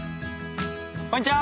こんにちは。